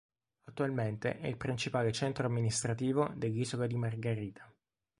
Attualmente è il principale centro amministrativo dell'isola di Margarita.